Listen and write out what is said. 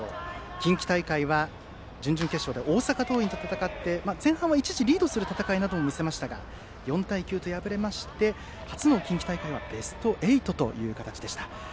近畿大会は準々決勝で大阪桐蔭と戦って前半は一時リードする戦いも見せましたが４対９と敗れて初の近畿大会はベスト８という形。